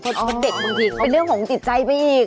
เด็กบางทีก็เป็นเรื่องของจิตใจไปอีก